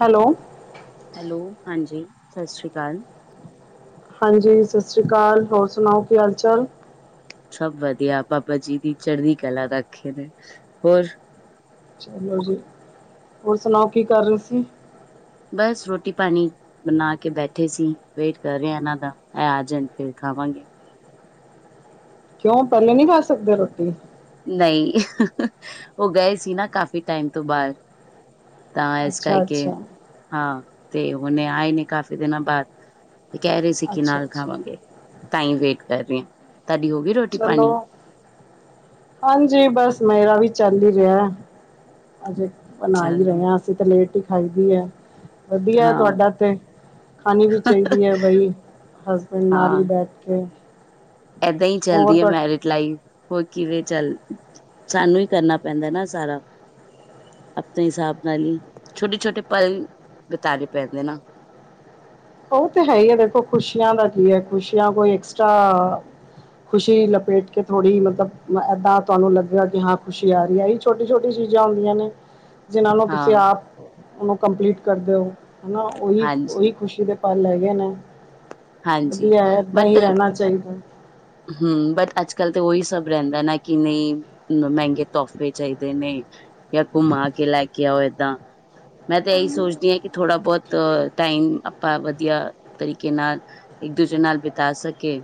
Hello? Hello, ਹਾਂਜੀ -ਸਤਿ ਸ਼੍ਰੀ ਅਕਾਲ। ਹਾਂਜੀ, ਸਤਿ ਸ਼੍ਰੀ ਅਕਾਲ, ਹੋਰ ਸੁਣਾਓ ਕੀ ਹਾਲ ਚਾਲ? ਸਭ ਵਧੀਆ, ਬਾਬਾ ਜੀ ਦੀ ਚੜ੍ਹਦੀ ਕਲਾ ਰੱਖਣ ਹੋਰ। ਚਲੋ ਜੀ, ਹੋਰ ਸੁਣਾਓ ਕੀ ਕਰ ਰਹੇ ਸੀ? ਬਸ, ਰੋਟੀ ਪਾਣੀ ਬਣਾ ਕੇ ਬੈਠੇ ਸੀ, ਵੇਟ ਕਰ ਰਿਹਾ ਇਹਨਾਂ ਦਾ, ਇਹ ਆ ਜਾਣ ਫੇਰ ਖਾਵਾਂਗੇ ਕਿਉਂ, ਪਹਿਲੇ ਨਹੀਂ ਖਾ ਸਕਦੇ ਰੋਟੀ? ਨਹੀਂ, ਉਹ ਗਏ ਸੀ ਨਾ, ਕਾਫ਼ੀ ਟਾਈਮ ਤੋਂ ਬਾਹਰ ਤਾਂ ਇਸ ਅੱਛਾ ਕਰਕੇ, ਅੱਛਾ ਹਾਂ ਤੇ ਹੁਣੇ ਆਏ ਨੇ ਕਾਫ਼ੀ ਦਿਨਾਂ ਬਾਅਦ ਤੇ ਕਹਿ ਰਹੇ ਸੀ, ਕਿ ਅੱਛਾ ਨਾਲ ਅੱਛਾ ਖਾਵਾਂਗੇ, ਤਾਹੀਂ ਵੇਟ ਕਰ ਰਹੇ ਹਾਂ, ਤੁਹਾਡੀ ਹੋ ਗਈ ਰੋਟੀ ਚਲੋ ਪਾਣੀ ਹਾਂਜੀ, ਬਸ ਮੇਰਾ ਵੀ ਚੱਲ ਹੀ ਰਿਹਾ ਅੱਜ ਬਣਾ ਹੀ ਚਲੋ ਰਹੇ ਹਾਂ, ਅਸੀਂ ਤੇ ਲੇਟ ਹੀ ਖਾਈ ਦੀ ਏ ਵਧੀਆ ਹਾਂ ਤੁਹਾਡਾ ਤੇ, ਖਾਣੀ ਵੀ ਚਾਹੀਦੀ ਹੈ ਬਈ ਹਸਬੈਂਡ ਨਾਲ ਹੀ ਬੈਠ ਕੇ। ਇੱਦਾਂ ਹੀ, ਹੋਰ ਚੱਲਦੀ ਹੈ ਤੁਹਾ ਮੈਰਿਜ। ਲਾਈਫ ਹੋਰ, ਕਿਵੇਂ ਰਹੀ ਹੈ ਸਾਨੂੰ ਹੀ ਕਰਨਾ ਪੈਂਦਾ ਨਾ ਸਾਰਾ ਆਪਣੇ ਹਿਸਾਬ ਨਾਲ, ਹੀ ਛੋਟੇ ਛੋਟੇ ਪਲ ਬਤਾਣੇ ਪੈਂਦੇ ਨਾ ਉਹ ਤੇ ਹੈ ਹੀ ਹੈ, ਦੇਖੋ ਖੁਸ਼ੀਆਂ ਦਾ ਕੀ ਹੈ, ਖੁਸ਼ੀਆਂ ਕੋਈ ਐਕਸਟਰਾ ਖੁਸ਼ੀ ਲਪੇਟ ਕੇ ਥੋੜ੍ਹੀ, ਮਤਲਬ ਇੱਦਾਂ ਤੁਹਾਨੂੰ ਲੱਗਿਆ ਕਿ ਹਾਂ, ਖੁਸ਼ੀ ਆ ਰਹੀ ਹੈ ਛੋਟੀ ਛੋਟੀ ਚੀਜ਼ਾਂ, ਹੁੰਦੀਆਂ ਨੇ। ਹੂੰ। [unintelligible] ਜਿਹਨਾਂ ਨੂੰ, ਤੁਸੀਂ ਆਪ ਉਹਨੂੰ ਕੰਪਲੀਟ ਕਰਦੇ ਹੋ ਹਨਾ, ਉਹੀ ਹਾਂਜੀ ਉਹੀ ਖੁਸ਼ੀ ਹੈ ਪਲ ਹੈਗੇ ਨੇ, ਹਾਂਜੀ ਵਧੀਆ, ਏਦਾਂ ਹੀ ਰਹਿਣਾ ਚਾਹੀਦਾ। ਹੂੰ ਬਟ, ਅੱਜ ਕੱਲ੍ਹ ਤੇ ਉਹੀ ਸਭ ਰਹਿੰਦਾ ਨਾ ਕਿ ਨਈ ਏਨੂੰ ਮਹਿੰਗੇ ਤੋਹਫ਼ੇ ਚਾਹੀਦੇ ਨੇ ਜਾਂ ਘੁੰਮਾ ਕੇ, ਲੈ ਕੇ ਆਓ ਏਦਾਂ, ਮੈਂ ਤਾਂ ਇਹੀ ਸੋਚਦੀ ਹਾਂ ਕਿ ਥੋੜ੍ਹਾ ਬਹੁਤ ਤਾਂ ਟਾਈਮ, ਆਪਾਂ ਵਧੀਆ ਤਰੀਕੇ ਨਾਲ ਇੱਕ ਦੂਜੇ ਨਾਲ ਬਿਤਾ ਸਕੇ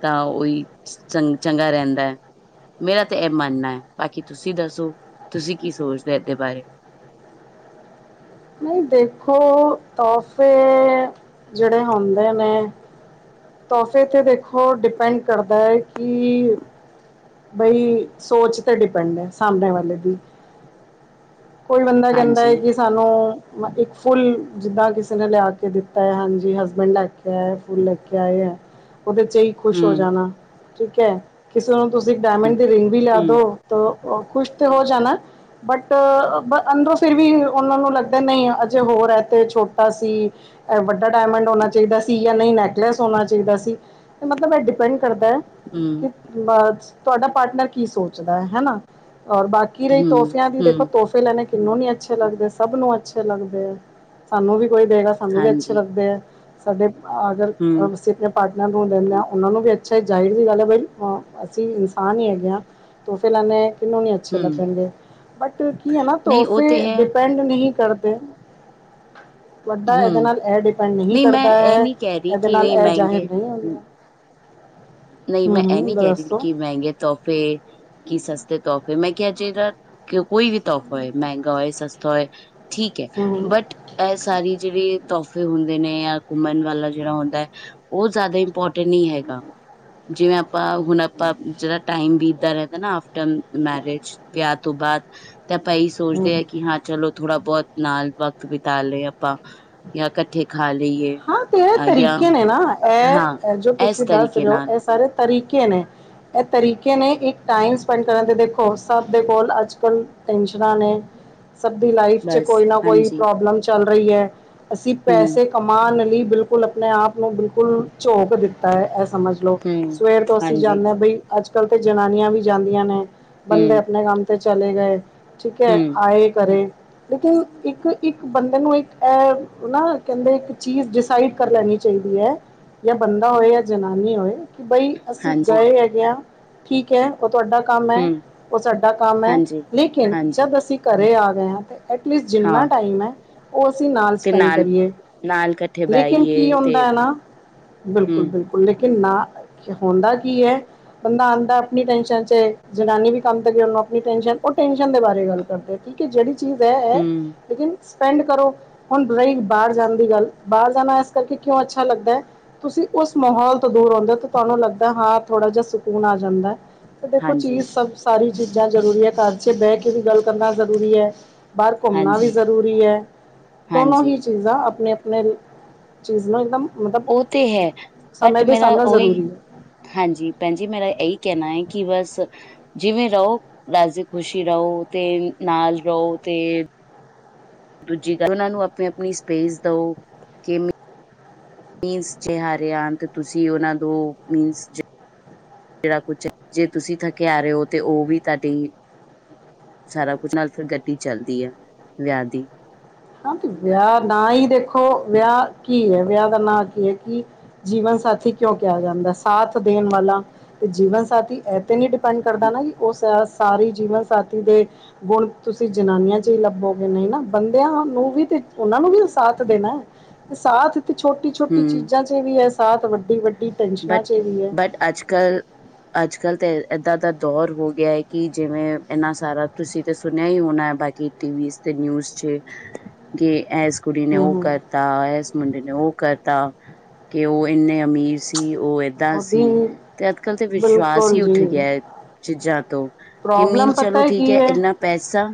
ਤਾਂ ਉਹੀ ਚੰ ਚੰਗਾ ਰਹਿੰਦਾ। ਮੇਰਾ ਤਾਂ ਇਹ ਮੰਨਣਾ ਬਾਕੀ ਤੁਸੀਂ ਦੱਸੋ ਤੁਸੀਂ ਕੀ ਸੋਚਦੇ ਇਹਦੇ ਬਾਰੇ। ਨਹੀਂ ਦੇਖੋ ਤੋਹਫ਼ੇ ਜਿਹੜੇ ਹੁੰਦੇ ਨੇ। ਤੋਹਫ਼ੇ ਤੇ ਦੇਖੋ ਡਿਪੈਂਡ ਕਰਦਾ ਹੈ ਕਿ। ਬਈ ਸੋਚ ਤੇ ਡਿਪੈਂਡ ਹੈ ਸਾਹਮਣੇ ਵਾਲੇ ਦੀ। ਕੋਈ ਬੰਦਾ ਕਹਿੰਦਾ ਐ ਹਾਂਜੀ ਕਿ ਸਾਨੂੰ। ਇੱਕ ਫੁੱਲ ਜਿੱਦਾਂ ਕਿਸੇ ਨੇ ਲਿਆ ਕੇ ਦਿੱਤਾ ਆ ਹਾਂਜੀ ਹਸਬੈਂਡ ਲੈ ਕੇ ਆਏ ਫੁੱਲ ਲੈ ਕੇ ਆਏ। ਉਹਦੇ 'ਚ ਹੀ ਖੁਸ਼ ਹੋ ਹੂੰ, ਜਾਣਾ ਠੀਕ ਐ। ਕਿਸੇ ਨੂੰ ਤੁਸੀਂ ਡਾਇਮੰਡ ਦੀ ਰਿੰਗ ਵੀ ਲਿਆ ਹੂੰ, ਦੋ। ਖੁਸ਼ ਤੇ ਹੋ ਜਾਣਾ ਬਟ ਅੰਦਰੋਂ ਫਿਰ ਵੀ ਉਹਨਾਂ ਨੂੰ ਏਦਾਂ ਨਹੀਂ ਆ ਅਜੇ ਹੋਰ ਇਹ ਤੇ ਛੋਟਾ ਸੀ। ਵੱਡਾ ਡਾਇਮੰਡ ਹੋਣਾ ਚਾਹੀਦਾ ਸੀ ਜਾਂ ਨਹੀਂ ਨੈਕਲੈਸ ਹੋਣਾ ਚਾਹੀਦਾ ਸੀ। ਮਤਲਬ ਇਹ ਡਿਪੈਂਡ ਕਰਦਾ ਕੀ। ਹੂੰ, ਬਸ ਤੁਹਾਡਾ ਪਾਰਟਨਰ ਕੀ ਸੋਚਦਾ ਹਨਾ ਔਰ ਬਾਕੀ ਰਹੀ ਹੂੰ, ਤੋਹਫ਼ਿਆਂ ਦੀ ਦੇਖੋ ਹੂੰ, ਤੋਹਫ਼ੇ ਤੋਹਫ਼ੇ ਲੈਣੇ ਕਿਨੂੰ ਨੀ ਅੱਛੇ ਲੱਗਦੇ ਸਭ ਨੂੰ ਅੱਛੇ ਲੱਗਦੇ ਸਾਨੂੰ ਵੀ ਕੋਈ ਦੇਗਾ। ਸਾਨੂੰ ਵੀ ਅੱਛੇ ਹਾਂਜੀ, ਲੱਗਦੇ ਐ ਸਾਡੇ ਹੂੰ, [unintelligible] ਪਾਰਟਨਰ ਨੂੰ ਲੈਂਦੇ ਉਹਨਾਂ ਨੂੰ ਵੀ ਅੱਛਾ ਜਾਹਿਰ ਦੀ ਗੱਲ ਐ ਬਈ ਅਸੀਂ ਇਨਸਾਨ ਹੀ ਹੈਗੇ ਆ। ਤੋਹਫ਼ੇ ਲੈਣੇ। ਕਿਹਨੂੰ ਨਹੀ ਅੱਛੇ ਹੂੰ, ਲੱਗਣਗੇ ਬਟ ਕੀ ਆ ਨਾ ਨਹੀਂ ਉਹ ਤੇ ਤੋਹਫ਼ੇ ਹੈ, ਡਿਪੈਂਡ ਨਹੀਂ ਕਰਦੇ। ਕਰਦੇ। ਵੱਡਾ ਇਹਦੇ ਹੂੰ, ਨਾਲ ਇਹ ਡਿਪੈਂਡ ਨਹੀਂ ਮੈਂ ਕਰਦਾ ਇਹ ਐ ਨਹੀਂ ਕਹਿ ਰਹੀ ਇਹਦੇ ਕਿ ਨਾਲ ਨਹੀਂ ਇਹ ਜ਼ਾਹਿਰ ਮਹਿੰਗੇ ਨਹੀਂ ਹੁੰਦਾ। ਨਹੀਂ, ਹੂੰ ਮੈਂ ਇਹ ਹੂੰ ਨਹੀਂ ਕਹਿ ਰਹੀ ਦੱਸੋ ਕਿ ਮਹਿੰਗੇ ਤੋਹਫ਼ੇ। ਕੀ ਸਸਤੇ ਤੋਹਫ਼ੇ ਮੈਂ ਕਿਹਾ ਜਿਹੜਾ ਕੋਈ ਵੀ ਤੋਹਫ਼ਾ ਹੋਏ ਮਹਿੰਗਾ ਹੋਏ ਸਸਤਾ ਹੋਏ। ਠੀਕ ਐ ਹੂੰ ਹੂੰ ਬਟ। ਇਹ ਸਾਰੀ ਜਿਹੜੀ ਤੋਹਫ਼ੇ ਹੁੰਦੇ ਨੇ ਜਾਂ ਘੁੰਮਣ ਵਾਲਾ ਜਿਹੜਾ ਹੁੰਦਾ ਉਹ ਜ਼ਿਆਦਾ ਹੀ। ਇੰਪੋਰਟੈਂਟ ਨਹੀਂ ਹੈਗਾ। ਜਿਵੇਂ ਆਪਾਂ ਹੁਣ ਆਪਾਂ ਜਿਹੜਾ ਟਮ ਬੀਤਦਾ ਰਹਿੰਦਾ ਨਾ ਆਫਟਰ ਮੈਰਿਜ ਵਿਆਹ ਤੋਂ ਬਾਅਦ ਤੇ ਆਪਾਂ ਇਹੀ ਸੋਚਦੇ ਹੂੰ ਆ ਕਿ ਹਾਂ ਚਲੋ ਥੋੜਾ ਬਹੁਤ ਨਾਲ ਵਕਤ ਬਿਤਾ ਲਏ ਹਾਂ। ਆਪਾਂ ਜਾਂ ਇਕੱਠੇ ਖਾ ਲਈਏ ਹਾਂ, ਤੇ ਇਹ ਜਾਂ ਤਰੀਕੇ ਨੇ ਨਾ ਹਾਂ ਇਹ ਜੋ ਇਸ ਤੁਸੀਂ ਦੱਸ ਤਰੀਕੇ ਰਹੇ ਹੋ ਨਾਲ ਇਹ ਸਾਰੇ। ਤਰੀਕੇ ਨੇ। ਇਹ ਤਰੀਕੇ ਨੇ ਇੱਕ ਟਾਈਮ ਸਪੈਂਡ ਕਰਨ 'ਤੇ ਦੇਖੋ ਸਭ ਦੇ ਕੋਲ ਅੱਜ ਕੱਲ੍ਹ ਟੈਨਸ਼ਨਾਂ ਨੇ। [unintelligible] ਸਭ ਦੀ ਲਾਈਫ ' ਬਸ ਕੋਈ ਨਾ ਕੋਈ ਹਾਂਜੀ ਪ੍ਰੋਬਲਮ ਚੱਲ ਰਹੀ ਐ ਅਸੀਂ ਹਮ ਪੈਸੇ। ਕਮਾਨ ਲਈ ਬਿਲਕੁਲ ਆਪਣੇ ਆਪ ਨੂੰ ਬਿਲਕੁਲ ਝੋਕ ਦਿੱਤਾ ਐ ਇਹ ਸਮਝ ਹਮ ਸਵੇਰ ਤੋਂ ਅਸੀਂ ਹਾਂਜੀ ਜਾਣੇ ਆ ਬਈ ਅੱਜ ਕੱਲ੍ਹ ਤੇ ਜਨਾਨੀਆਂ ਵੀ ਜਾਂਦੀਆਂ ਨੇ ਬੰਦੇ ਹਮ ਆਪਣੇ ਕੰਮ ਤੇ ਚਲੇ ਗਏ ਠੀਕ ਐ ਹਮ ਆਏ ਕਰੇ ਲੇਕਿਨ ਇੱਕ ਇੱਕ ਬੰਦੇ ਨੂੰ ਇੱਕ ਇਹ ਨਾ ਕਹਿੰਦੇ ਇਹ ਚੀਜ਼ ਡਿਸਾਈਡ ਕਰ ਲੈਣੀ ਚਾਹੀਦੀ ਐ ਜਾਂ ਬੰਦਾ ਹੋਵੇ ਜਾਂ ਜਨਾਨੀ ਹੋਏ। ਕਿ ਬਈ ਅਸੀਂ ਹਾਂਜੀ ਗਏ ਹੈਗੇ ਆ। ਠੀਕ ਐ ਉਹ ਤੁਹਾਡਾ ਕੰਮ ਐ ਹਮ ਉਹ ਸਾਡਾ ਕੰਮ ਐ ਹਾਂਜੀ ਲੇਕਿਨ ਹਾਂਜੀ ਜਦ ਅਸੀਂ ਘਰ ਆ ਗਏ ਹਾਂ ਤੇ ਐਟਲੀਸਟ ਜਿੰਨਾ ਹਾਂ ਟਾਈਮ ਐ ਉਹ ਅਸੀਂ ਨਾਲ ਸਪੈਂਡ ਕਰੀਏ। ਨਾਲ, ਲੇਕਿਨ ਕੀ ਬਹਿਈਏ ਤੇ ਹੁੰਦਾ ਨਾ ਬਿਲਕੁਲ ਹਮ ਬਿਲਕੁਲ ਲੇਕਿਨ ਨਾ ਹੁੰਦਾ ਕੀ ਐ। ਬੰਦਾ ਆਂਦਾ ਆਪਣੀ ਟਨਸ਼ਨ ਚ ਜਨਾਨੀ ਵੀ ਕੰਮ ਦੇ ਉਹਨੂੰ ਆਪਣੀ ਟਸ਼ਨ ਉਹ ਟੈਂਸ਼ਨ ਦੇ ਬਾਰੇ ਗੱਲ ਕਰਦੇ। ਠੀਕ ਐ ਜਿਹੜੀ ਚੀਜ਼ ਐ ਹਮ ਲੇਕਿਨ ਸਪੈਂਡ ਕਰੋ ਹੁਣ ਰਹੀ ਬਾਹਰ ਜਾਂ ਣ ਦੀ ਗੱਲ ਬਾਹਰ ਜਾਣਾ ਇਸ ਕਰਕੇ ਕਿਉਂ ਅੱਛਾ ਲੱਗਦਾ ਤੁਸੀਂ ਉਸ ਮਾਹੌਲ ਤੋਂ ਦੂਰ ਹੁੰਦੇ ਹੋ ਤੇ ਤੁਹਾਨੂੰ ਲੱਗਦਾ ਹਾਂ ਥੋੜਾ ਜਿਹਾ ਸਕੂਨ ਆ ਜਾਂਦਾ। ਦੇਖੋ ਹਾਂਜੀ ਚੀਜ਼ ਸਭ ਸਾਰੀ ਚੀਜ਼ਾਂ ਜ਼ਰੂਰੀ ਐ ਘਰ। ਪਿੱਛੇ ਬਹਿ ਕੇ ਵੀ ਗੱਲ ਕਰਨਾ ਜ਼ਰੂਰੀ ਹੈ। ਬਾਹਰ ਘੁੰਮਣਾ ਵੀ ਹਾਂਜੀ ਜ਼ਰੂਰੀ ਹੈ। ਦੋਨੋ ਹਾਂਜੀ ਹੀ? ਚੀਜ਼ਾਂ ਆਪਣੇ, ਆਪਣੇ ਚੀਜ਼ ਨੂੰ ਇੱਕਦਮ। ਮਤਲਬ ਉਹ ਤੇ ਹੈ ਬਟ ਸਮੇਂ ਦੇ ਮੇਰਾ ਸਾਨਨਾ ਉਹੀ ਜ਼ਰੂਰੀ। ਹਾਂਜੀ ਭੈਣ ਜੀ ਮੇਰਾ ਇਹੀ ਕਹਿਣਾ ਹੈ। ਕਿ ਬਸ? ਜਿਵੇਂ ਰਹੋ ਰਾਜ਼ੀ ਖੁਸ਼ੀ ਰਹੋ ਤੇ ਨਾਲ ਰਹੋ ਤੇ ਦੂਜੀ ਗੱਲ। ਉਹਨਾਂ ਨੂੰ ਆਪਣੀ, ਆਪਣੀ ਸਪੇਸ ਦਓ ਕਿ ਮ? ਮੀਨਸ ਚੇ ਹਾਰੇ ਤੁਸੀਂ ਉਹਨਾ ਦੋ ਮੀਨਸ। ਜਿਹੜਾ ਕੁਛ। ਜੇ ਤੁਸੀਂ ਥਕੇਿਆ ਆ ਰਹੇ ਹੋ ਤੇ ਉਹ ਵੀ ਤੁਹਾਡੀ। ਸਾਰਾ ਕੁੱਝ ਨਾਲ ਫਿਰ ਗੱਡੀ ਚੱਲਦੀ ਆ ਵਿਆਹ ਦੀ। ਹਾਂ ਤੇ ਵਿਆਹ, ਨਾ ਹੀ ਦੇਖੋ ਵਿਆਹ ਕੀ ਹੈ। ਵਿਆਹ ਦਾ ਨਾਂ ਕੀ ਹੈ ਕੀ। ਜੀਵਨ ਸਾਥੀ ਕਿਉਂ ਕਿਹਾ ਜਾਂਦਾ। ਸਾਥ ਦੇਣ ਵਾਲਾ ਤੇ ਜੀਵਨ ਸਾਥੀ ਇਤੇ ਨੀ? ਸਪੈਂਡ ਕਰਦਾ ਨਾ ਉਹ ਸ। ਸਾਰੀ ਜੀਵਨ ਸਾਥੀ ਦੇ ਗੁਣ ਤੁਸੀਂ ਜਨਾਨੀਆਂ ਚ ਹੀ ਲੱਭੋਗੇ ਨਹੀਂ ਨਾ ਬੰਦੇ। ਸਾਨੂੰ ਵੀ ਤੇ। ਉਹਨਾਂ ਨੂੰ ਵੀ ਸਾਥ ਦੇਣਾ ਹੈ। ਸਾਥ ਤੇ ਛੋਟੀ ਛੋਟੀ ਹੂੰ ਚੀਜ਼ਾਂ ਚ। ਵੀ ਹੈ ਸਾਤ ਵੱਡੀ ਵੱਡੀ। ਟੈਨਸ਼ਨਾਂ ਬਟ, ਚ ਵੀ ਹੈ ਬਟ ਅੱਜ ਕੱਲ੍ਹ। ਅੱਜ ਕੱਲ ਤਾਂ ਇਏਦਾਂ ਦਾ ਦੌਰ ਹੋ ਗਿਆ ਹੈ। ਕਿ ਜਿਵੇਂ ਇੰਨਾ ਸਾਰਾ। ਤੁਸੀਂ ਤਾਂ ਸੁਣਿਆ ਹੀ ਹੋਣਾ ਬਾਕੀ ਟੀਵ ਤੇ ਨਿਊਜ਼ ਚ। ਕਿ ਐਸ ਇਸ ਕੁੜੀ ਨੇ ਹੂੰ ਉਹ ਹੂੰ ਕਰਤਾ। ਇਸ ਮੁੰਡੇ ਨੇ ਉਹ ਕਰਤਾ। ਕਿ ਉਹ ਇੰਨੇ ਅਮੀਰ ਸੀ। ਕੀ ਉਹ ਏਦਾਂ ਉਹਦੀ ਸੀ। ਤੇ ਅੱਜ ਕੱਲ੍ਹ ਤੇ ਵਿਸ਼ਵਾਸ਼ ਬਿਲਕੁਲ ਹੀ ਉੱਠ ਜੀ ਗਿਆ ਚੀਜ਼ਾਂ ਤੋਂ। ਕਿ ਪ੍ਰੋਬਲਮ ਮੀਨ ਪਤਾ ਚਲੋ ਠੀਕ ਕੀ ਹੈ। ਇੰਨਾ ਪੈਸਾ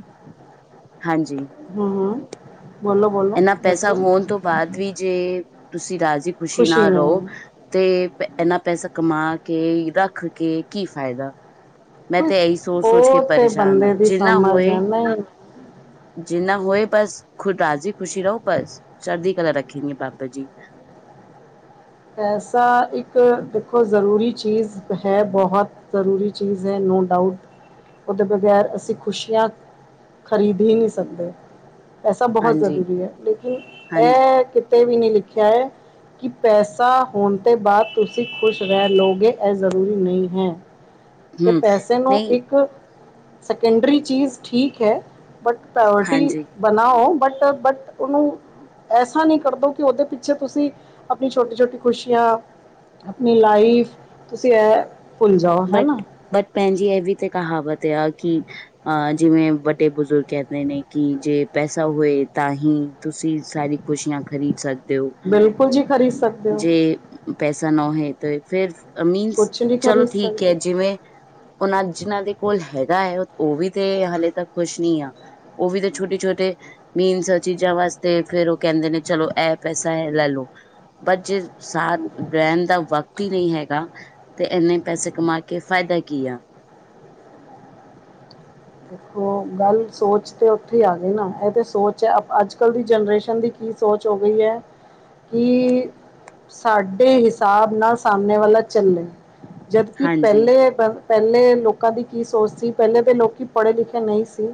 ਹਾਂਜੀ। ਹਮ ਬੋਲੋ, ਬੋਲੋ ਇੰਨਾ ਪੈਸਾ ਦੱਸੋ ਹੋਣ ਤੋਂ ਬਾਅਦ ਵੀ। ਜੇ ਤੁਸੀਂ ਰਾਜ਼ੀ ਖੁਸ਼ੀ ਨਾਲ ਰਹੋ ਤੇ। ਇੰਨਾ ਪੈਸਾ ਕਮਾਕੇ ਰੱਖ ਕੇ ਕੀ ਫਾਇਦਾ। ਮੈਂ ਕੋਈ ਤੇ ਇਹੀ ਸੋਚ, ਸੋਚ ਕੇ ਉਹ ਤੇ ਪਰੇਸ਼ਾਨ ਹਾਂ। ਬੰਦੇ ਦੀ ਜਿੰਨਾ ਸਮਝ ਹੈ ਹੋਏ? ਨਹੀਂ ਜਿੰਨਾ ਹੋਏ ਬਸ ਖੁਦ ਰਾਜ਼ੀ ਖ਼ੁਸ਼ੀ ਰਹੋ ਬਸ ਚੜਦੀਕਲਾ ਰੱਖੇਗਾ ਬਾਬਾ ਜੀ। ਪੈਸਾ ਇੱਕ ਦੇਖੋ ਜ਼ਰੂਰੀ ਚੀਜ਼ ਹੈ ਬਹੁਤ। ਜ਼ਰੂਰੀ ਚੀਜ਼ ਹੈ। ਨੋ ਡਾਊਟ ਉਹਦੇ ਬਗੈਰ ਅਸੀਂ ਖੁਸ਼ੀਆਂ। ਖਰੀਦ ਹੀ ਨਹੀਂ ਸਕਦੇ। ਪੈਸਾ ਬਹੁਤ ਹਾਂਜੀ-ਹਾਂਜੀ ਜ਼ਰੂਰੀ ਹੈ। ਲੇਕਿਨ ਇਹ ਕਿਤੇ ਵੀ ਨਹੀਂ ਲਿਖਿਆ ਹੈ। ਕਿ ਪੈਸਾ ਸਾਹ ਹੋਣ ਤੋਂ ਬਾਅਦ ਤੁਸੀਂ ਖੁਸ਼ ਰਹਿ ਲਓਗੇ। ਇਹ ਜ਼ਰੂਰੀ ਨਹੀਂ ਹੈ। ਤੇ ਹੂੰ ਪੈਸੇ ਨੂੰ ਨਹੀਂ ਇੱਕ ਸੈਕੰਡਰੀ ਚੀਜ਼ ਠੀਕ ਹੈ। ਬਟ ਪਵਰਟੀ ਹਾਂਜੀ ਬਣਾਓ। ਬਟ, ਬਟ ਉਹਨੂੰ ਐਸਾ ਨਹੀਂ ਕਰਦੋ। ਕਿ ਉਹਦੇ ਪਿੱਛੇ ਤੁਸੀਂ ਆਪਣੀ ਛੋਟੀ ਛੋਟੀ ਖੁਸ਼ੀਆਂ। ਆਪਣੀ ਲਾਈਫ। ਤੁਸੀਂ ਇਹ ਭੁੱਲ ਜਾਓ ਹੈ ਬਟ, ਨਾ ਬਟ ਭੈਣ ਜੀ ਇਹ ਵੀ ਤਾਂ ਕਹਾਵਤ ਆ ਕਿ। ਅ ਜਿਵੇਂ ਵੱਡੇ ਬਜ਼ੁਰਗ ਕਹਿੰਦੇ ਨੇ ਕਿ ਜੇ ਪੈਸਾ ਹੋਵੇ। ਤਾਂ ਹੀ ਤੁਸੀਂ ਸਾਰੀ? ਖੁਸ਼ੀਆਂ ਖਰੀਦ ਸਕਦੇ ਹੋ। ਬਿਲਕੁਲ ਜੀ ਖਰੀਦ ਸਕ ਜੇ ਪੈਸਾ ਨਾ ਹੋ। ਤੇ ਫਿਰ ਅਮੀੀਨਸ। ਕੁਛ ਨੀ ਖਰੀ ਠੀਕ ਹੈ। ਜਿਵੇਂ ਉਹਨਾਂ ਜਿਹਨਾਂ ਦੇ ਕੋਲ ਹੈਗਾ ਹੈ। ਉਹ ਵੀ ਤੇ ਹਾਲੇ ਤੱਕ ਖੁਸ਼ ਨਹੀਂਆ। ਉਹ ਵੀ ਤਾਂ ਛੋਟੇ, ਛੋਟੇ ਮੀਨਸ ਚੀਜ਼ਾਂ ਵਾਸਤੇ। ਫੇਰ ਉਹ ਕਹਿੰਦੇ ਨੇ ਚਲੋ ਇਹ ਪੈਸਾ ਹੈ ਲੈ ਲੋ। ਬਟ ਜੇ ਸਾਥ ਰਹਿਣ ਦਾ ਵਕਤ ਹੀ ਨਹੀਂ ਹੈਗਾ। ਤੇ ਇਹਨੇ ਪੈਸੇ ਕਮਾ ਕੇ ਫਾਇਦਾ ਕੀ ਆ। ਉਹ ਗੱਲ ਸੋਚ ਤੇ ਉੱਥੇ ਆ ਗਈ ਨਾ। ਇਹ ਤੇ ਸੋਚ ਹੈ ਅੱਜ ਕੱਲ ਦੀ ਜਨਰੇਸ਼ਨ ਦੀ। ਕੀ ਸੋਚ ਹੋ ਗਈ ਹੈ। ਕਿ? ਸਾਡੇ ਹਿਸਾਬ ਨਾਲ ਸਾਹਮਣੇ ਵਾਲਾ ਚੱਲੇ। ਜਦਕਿ ਹਾਂਜੀ ਪਹਿਲੇ, ਪਹਿਲੇ ਲੋਕਾਂ ਦੀ ਕੀ ਸੋਚ ਸੀ। ਪਹਿਲੇ ਤਾਂ ਲੋਕੀ ਪੜ੍ਹੇ ਲਿਖੇ ਨਹੀਂ ਸੀ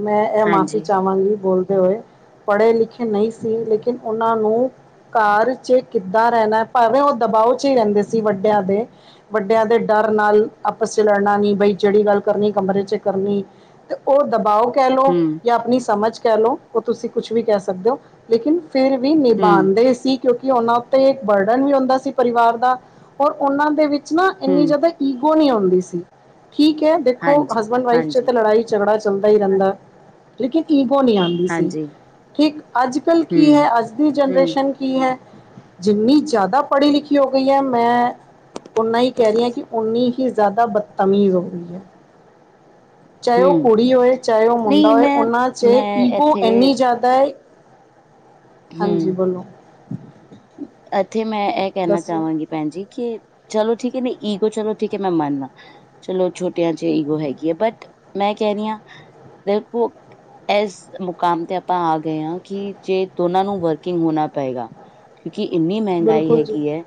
ਮੈਂ ਇਹ ਮਾਫ਼ੀ ਹਾਂਜੀ ਚਾਹਵਾਂਗੀ ਬੋਲਦੇ ਹੋਏ। ਪੜ੍ਹੇ ਲਿਖੇ ਨਹੀਂ ਸੀ ਲੇਕਿਨ ਉਹਨਾਂ ਨੂੰ ਘਰ ਚ ਕਿੱਦਾਂ ਰਹਿਣਾ ਭਾਵੇਂ ਉਹ ਦਬਾਓ ਚ ਹੀ ਰਹਿੰਦੇ ਸੀ ਵੱਡਿਆਂ ਦੇ। ਵੱਡਿਆਂ ਦੇ ਡਰ ਨਾਲ ਆਪਸ ਚ ਲੜਨਾ ਨੀ ਬਈ ਜਿਹੜੀ ਗੱਲ ਕਰਨੀ ਕਮਰੇ ਕਰਨੀ ਤੇ ਉਹ ਦਬਾਓ ਕਹਿ ਲਓ ਹਮ ਜਾਂ ਆਪਣੀ ਸਮਝ ਕਹਿ ਲਓ। ਉਹ ਤੁਸੀਂ ਕੁਛ ਵੀ ਕਹਿ ਸਕਦੇ ਹੋ। ਲੇਕਿਨ ਫਿਰ ਵੀ ਹਮ ਨਿਭਾਉਂਦੇ ਸੀ। ਕਿਉਂਕਿ ਉਹਨਾਂ ਉੱਤੇ ਬਰਡਨ ਵੀ ਹੁੰਦਾ ਸੀ। ਪਰਿਵਾਰ ਦਾ ਔਰ ਉਹਨਾਂ ਦੇ ਵਿੱਚ ਨਾ ਇੰਨੀ ਹਮ ਜ਼ਿਆਦਾ। ਈਗੋ ਨੀ ਹੁੰਦੀ ਸੀ ਠੀਕ ਐ, ਦੇਖੋ ਹਾਂਜੀ ਹਸਬੈਂਡ ਵਾਈਫ ਚ ਤੇ ਹਾਂਜੀ ਲੜਾਈ। ਝਗੜਾ ਚੱਲਦਾ ਈ ਰਹਿੰਦਾ ਲੇਕਿਨ ਏਗੋ ਨੀ ਆਂਦੀ। ਸੀ ਹਾਂਜੀ ਠੀਕ ਅੱਜ ਕੱਲ੍ਹ ਕੀ ਹਮ ਐ ਅੱਜ ਦੀ ਹਮ ਜਨਰੇਸ਼ਨ ਕੀ ਕੀ ਹੈ ਜਿੰਨੀ ਜ਼ਿਆਦਾ ਪੜ੍ਹੀ ਲਿਖੀ ਹੋ ਗਈ ਹੈ ਮੈਂ ਓਨਾ ਹੀ ਕਹਿ ਰਹੀ ਹਾਂ ਕਿ ਉਨੀ ਹੀ ਜ਼ਿਆਦਾ ਬਦਤਮੀਜ਼ ਹੋ ਰਹੀ ਐ। ਚਾਹੇ ਉਹ ਹਮ ਕੁੜੀ ਹੋਏ ਚਾਹੇ ਉਹ ਮੁੰਡਾ ਨਹੀਂ ਹੋਏ ਮੈਂ ਉਹਨਾਂ ਚ ਮੈਂ ਈਗੋ ਇੱਥੇ ਇੰਨੀ ਜ਼ਿਆਦਾ। ਹਾਂਜੀ ਹਮ ਬੋਲੋ, ਇੱਥੇ ਮੈਂ ਇਹ ਕਹਿਣਾ ਦੱਸੋ ਚਾਹਵਾਂਗੀ। ਭੈਣ ਜੀ ਕਿ ਚਲੋ ਠੀਕ ਐ ਨਹੀਂ ਈਗੋ ਚਲੋ ਠੀਕ ਐ ਮੈਂ ਮੰਨਨਾ ਚਲੋ ਛੋਟਿਆਂ ਚ ਈਗੋ ਹੈਗੀ ਐ ਬਟ ਮੈਂ ਕਹਿ ਰਹੀ ਹਾਂ ਦੇਖੋ ਇਸ ਮੁਕਾਮ ਤੇ ਆਪਾਂ ਆ ਗਏ ਆ ਕਿ ਜੇ ਦੋਨਾਂ ਨੂੰ ਵਰਕਿੰਗ ਹੋਣਾ ਪਏਗਾ। ਕਿਉਂਕਿ ਇੰਨੀ ਮਹਿੰਗਾਈ ਬਿਲਕੁਲ ਜੀ ਹੈਗੀ ਐ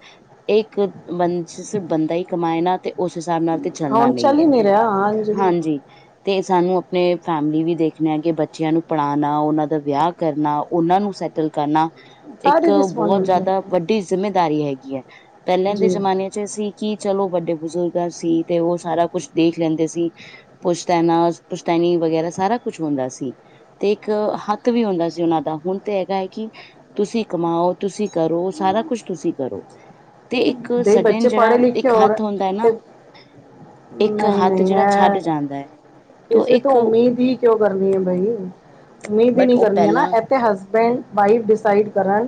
ਇਹ ਬੰ ਜ ਬੰਦਾ ਹੀ ਕਮਾਏ ਨਾ। ਤੇ ਉਸ ਹਿਸਾਬ ਨਾਲ ਤੇ ਚੱਲਣਾ ਹੁਣ ਚੱਲ ਨਹੀਂ ਐ ਹੀ ਰਿਹਾ ਬਿਲਕੁਲ ਹਾਂਜੀ। ਤੇ ਸਾਨੂੰ ਆਪਣੇ ਫੈਮਿਲੀ ਵੀ ਦੇਖਣਾ ਆ ਕਿ ਬੱਚਿਆਂ ਨੂੰ ਪੜ੍ਹਾਣਾ ਉਹਨਾਂ ਦਾ ਵਿਆਹ ਕਰਨਾ ਉਹਨਾਂ ਨੂੰ ਸ ਕਰਨਾ ਇੱਕ ਸਾਰੀ ਬਹੁਤ ਰਿਸਪੋਂਸਿਬਿਲਟੀ ਜ਼ਿਆਦਾ ਹੈਗੀ ਵੱਡੀ ਜਿੰਮੇਦਾਰੀ ਹੈਗੀ ਐ, ਹੈ ਪਹਿਲਾਂ ਦੇ ਜੀ ਜਮਾਨੇ ਬੱਚੇ ਸੀ ਕਿ ਚਲੋ ਵੱਡੇ ਬਜ਼ੁਰਗਾਂ ਸੀ ਤੇ ਉਹ ਸਾਰਾ ਕੁਛ ਦੇਖ ਲੈਂਦੇ ਸੀ। ਪੁਸ਼ਤੈਨਾਸ, ਪੁਸ਼ਤੈਨੀ ਵਗੈਰਾ ਸਾਰਾ ਕੁਛ ਹੁੰਦਾ ਸੀ। ਤੇ ਇੱਕ ਹੱਥ ਵੀ ਹੁੰਦਾ ਸੀ ਉਹਨਾਂ ਦਾ। ਹੁਣ ਤੇ ਹੈਗਾ ਹੈ ਕਿ ਤੁਸੀਂ ਕਮਾਓ, ਤੁਸੀਂ ਕਰੋ, ਸਾਰਾ ਕੁਛ ਤੁਸੀਂ ਕਰੋ। ਤੇ ਇੱਕ ਸਡਣ ਜਿਹੜਾ ਇੱਕ ਹੱਥ ਹੁੰਦਾ ਹੈ ਤੇ ਨਾ ਇੱਕ ਹੱਥ ਜਿਹੜਾ ਛੱਡ ਜਾਂਦੈ। ਕਿਸੇ ਤੋਂ ਉਮੀਦ ਹੀ ਕਿਉਂ ਕਰਨੀ ਏ ਬਈ। ਉੱਮੀਦ ਈ ਬਟ ਨੀ ਉਹ ਕਰਨੀ ਐ ਨਾ, ਪਹਿਲਾਂ ਇਹ ਤੇ ਹਸਬੈਂਡ ਵਾਈਫ ਡਿਸਾਈਡ ਕਰਨ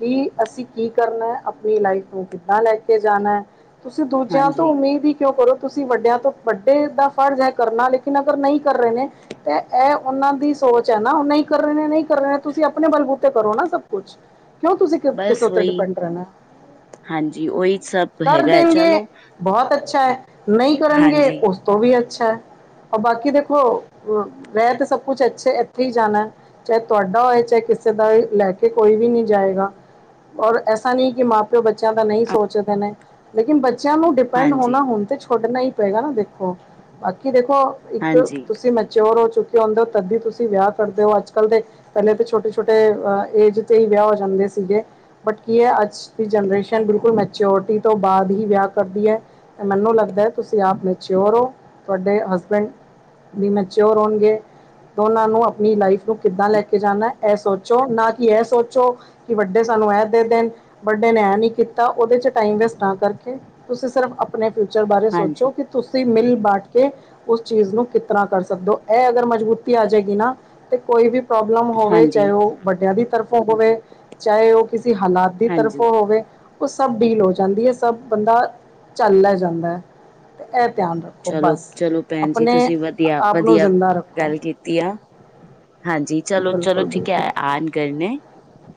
ਕਿ ਅਸੀਂ ਕੀ ਕਰਨਾ, ਆਪਣੀ ਲਾਈਫ ਨੂੰ ਕਿੱਦਾਂ ਲੈ ਕੇ ਜਾਣਾ। ਤੁਸੀਂ ਦੂਜਿਆਂ ਤੋਂ ਹਾਂਜੀ ਉਮੀਦ ਹੀ ਕਿਉਂ ਕਰੋ? ਤੁਸੀਂ ਵੱਡਿਆਂ ਤੋਂ, ਵੱਡੇ ਦਾ ਫਰਜ਼ ਹੈ ਕਰਨਾ। ਲੇਕਿਨ ਅਗਰ ਨਹੀਂ ਕਰ ਰਹੇ ਨੇ ਤੇ ਇਹ ਉਹਨਾਂ ਦੀ ਸੋਚ ਐ ਨਾ, ਉਹ ਨਹੀਂ ਕਰ ਰਹੇ ਨੇ - ਨਹੀਂ ਕਰ ਰਹੇ ਨੇ। ਤੁਸੀਂ ਆਪਣੇ ਬਲਬੂਤੇ ਕਰੋ ਨਾ ਸਭ ਕੁਛ। ਕਿਉਂ ਤੁਸੀਂ ਕਿ ਕਿਸੇ ਬਸ ਉੱਤੇ ਉਹੀ ਡਿਪੈਂਡ ਰਹਿਣਾ? ਹਾਂਜੀ, ਉਹੀ ਸਭ। ਕਰ ਹੈਗਾ ਹੈ। ਦੇਣਗੇ, ਚਲੋ ਬਹੁਤ ਅੱਛੈ, ਨਹੀਂ ਕਰਨਗੇ ਹਾਂਜੀ ਉਸ ਤੋਂ ਵੀ ਅੱਛਾ। ਬਾਕੀ ਦੇਖੋ, ਰਹਿ ਤੇ ਸਭ ਕੁਛ ਅੱਛੇ, ਇੱਥੇ ਹੀ ਜਾਣੇ। ਚਾਹੇ ਤੁਹਾਡਾ ਹੋਏ, ਚਾਹੇ ਕਿਸੇ ਦਾ ਹੋਏ, ਲੈ ਕੇ ਕੋਈ ਵੀ ਨਹੀਂ ਜਾਏਗਾ। ਔਰ ਐਸਾ ਨਹੀਂ ਕਿ ਮਾਂ ਪਿਓ ਬੱਚਿਆਂ ਤਾਂ ਨਹੀਂ ਸੋਚਦੇ ਨੇ। ਲੇਕਿਨ ਬੱਚਿਆਂ ਨੂੰ ਡਿਪੈਂਡ ਹਾਂਜੀ ਹੋਣਾ ਹੁਣ ਤੇ ਛੋਡਣਾ ਹੀ ਪਏਗਾ ਨਾ ਦੇਖੋ। ਬਾਕੀ ਦੇਖੋ, ਇੱਕ ਹਾਂਜੀ, ਤੁਸੀਂ ਮੈਚੋਰ ਹੋ ਚੁੱਕੇ [unintelligible] ਆਂਦੇ ਹੋ ਤੱਦ ਵੀ ਤੁਸੀਂ ਵਿਆਹ ਕਰਦੇ ਹੋ, ਅੱਜ ਕੱਲ੍ਹ ਦੇ ਪਹਿਲੇ ਤੇ ਛੋਟੇ-ਛੋਟੇ ਏਜ ਤੇ ਹੀ ਵਿਆਹ ਹੋ ਜਾਂਦੇ ਸੀਗੇ। ਬਟ ਕੀ ਐ ਅੱਜ ਦੀ ਜਨਰੇਸ਼ਨ ਬਿਲਕੁਲ ਮੈਚਓਰਟੀ ਤੋਂ ਬਾਅਦ ਹੀ ਵਿਆਹ ਕਰਦੀ ਐ। ਤੇ ਮੈਨੂੰ ਲੱਗਦਾ, ਤੁਸੀਂ ਆਪ ਮੈਚਓਰ ਹੋ। ਤੁਹਾਡੇ ਹਸਬੈਂਡ ਵੀ ਮੈਚੋਰ ਹੋਣਗੇ। ਦੋਨਾਂ ਨੂੰ ਅਪਨੀ ਲਾਈਫ ਨੂੰ ਕਿੱਦਾਂ ਲੈ ਕੇ ਜਾਣਾ ਇਹ ਸੋਚੋ। ਨਾ ਕਿ ਇਹ ਸੋਚੋ ਕਿ ਵੱਡੇ ਸਾਨੂੰ ਇਹ ਦੇ ਦੇਣ ਵੱਡੇ ਨੇ ਐ ਨੀ ਕੀਤਾ। ਉਹਦੇ ਚ ਟਾਈਮ ਵੇਸਟ ਨਾ ਕਰਕੇ, ਤੁਸੀਂ ਸਿਰਫ ਆਪਣੇ ਫਿਊਚਰ ਬਾਰੇ ਹਾਂਜੀ, ਸੋਚੋ। ਤੁਸੀਂ ਮਿਲ ਬਾਂਟ ਕੇ ਉਸ ਚੀਜ਼ ਨੂੰ ਕਿਸ ਤਰ੍ਹਾਂ ਕਰ ਸਕਦੇ ਹੋ। ਇਹ ਅਗਰ ਮਜ਼ਬੂਤੀ ਆ ਜਾਏਗੀ ਨਾ ਤੇ ਕੋਈ ਵੀ ਪ੍ਰੋਬਲਮ ਹੋਵੇ, ਹਾਂਜੀ, ਚਾਹੇ ਉਹ ਵੱਡਿਆਂ ਦੀ ਤਰਫੋਂ ਹੋਵੇ, ਚਾਹੇ ਉਹ ਕਿਸੇ ਹਾਲਾਤ ਦੀ ਤਰਫ ਹਾਂਜੀ। ਹੋਵੇ, ਉਹ ਸਭ ਡੀਲ ਹੋ ਜਾਂਦੀ ਏ। ਸਭ ਬੰਦਾ ਝੱਲ ਲੈ ਜਾਂਦੈ। ਤੇ ਇਹ ਧਿਆਨ ਰੱਖੋ ਚਲੋ, ਬਸ ਚਲੋ ਭੈਣ ਜੀ ਅਪਨੇ ਤੁਸੀਂ ਵਧੀਆ, ਆਪ ਨੂੰ ਵਧੀਆ ਜ਼ਿੰਦਾ ਰੱਖੋ। ਗੱਲ ਕੀਤੀ ਆ। ਹਾਂਜੀ, ਚਲੋ-ਚਲੋ ਬਿਲਕੁਲ ਠੀਕ ਐ ਬਿਲਕੁਲ ਆਣ ਗਏ ਨੇ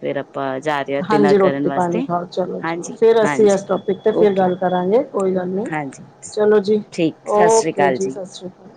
ਫੇਰ ਆਪਾਂ ਜਾ ਤੇ ਨਾ ਹਾਂਜੀ ਕਰਨ ਰੋਟੀ ਪਾਣੀ ਵਾਸਤੇ। ਖਾਓ ਚਲੋ ਚਲੋ ਹਾਂਜੀ, ਫਿਰ ਅਸੀਂ ਇਸ ਹਾਂਜੀ, ਟੋਪਿਕ ਤੇ ਫਿਰ ਓਕੇ ਗੱਲ ਕਰਾਂਗੇ ਕੋਈ ਗੱਲ ਨਹੀਂ ਹਾਂਜੀ। ਚਲੋ ਜੀ ਠੀਕ, ਸਤਿ ਸ੍ਰੀ ਓਕੇ ਅਕਾਲ ਜੀ। ਸਤਿ ਸ਼੍ਰੀ ਅਕਾਲ